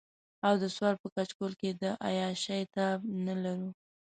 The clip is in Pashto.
او د سوال په کچکول کې د عياشۍ تاب نه لرو.